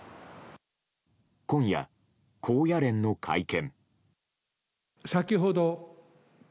今夜、高野連の会見。